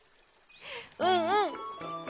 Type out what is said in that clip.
うんうん。